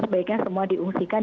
sebaiknya semua diusir